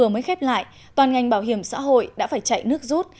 mới khép lại toàn ngành bảo hiểm xã hội đã phải chạy nước rút